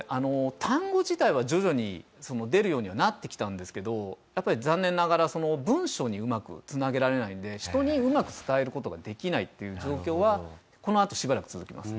単語自体は徐々に出るようにはなってきたんですけどやっぱり残念ながら文章にうまく繋げられないんで人にうまく伝える事ができないっていう状況はこのあとしばらく続きます。